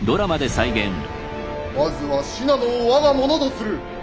まずは信濃を我が物とする。